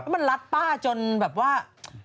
มันรัดป้าจนแบบว่า